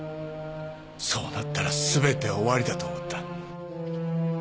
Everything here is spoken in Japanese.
そうなったら全て終わりだと思った。